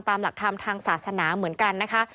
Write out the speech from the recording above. ตามหลักธรรมทางศาสนาเหมือนกันนะคะ